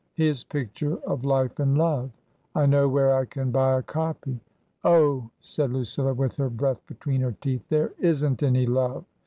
His picture of ' Life and Love.* I know where I can buy a copy." " Oh !" said Lucilla, with her breath between her teeth, " there isn't any love."